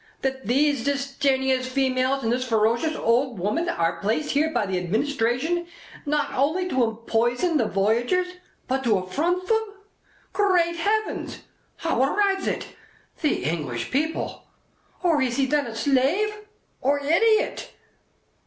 That these disdaineous females and this ferocious old woman are placed here by the administration, not only to empoison the voyagers, but to affront them! Great Heaven! How arrives it? The English people. Or is he then a slave? Or idiot?"